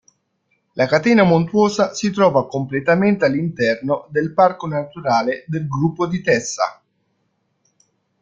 La catena montuosa si trova completamente all'interno del Parco naturale Gruppo di Tessa.